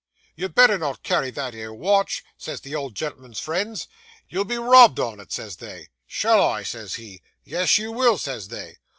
"You'd better not carry that 'ere watch," says the old gen'l'm'n's friends, "you'll be robbed on it," says they. "Shall I?" says he. "Yes, you will," says they.